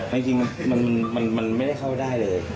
จริงมันไม่ได้เข้าได้เลย